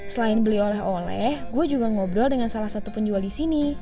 selain beli oleh oleh gue juga ngobrol dengan salah satu penjual di sini